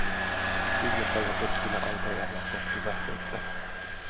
Kuljettajapötkylä alkoi ajaa kohti lähdettä.